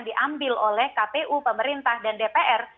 diambil oleh kpu pemerintah dan dpr